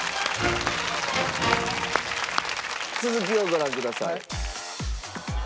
続きをご覧ください。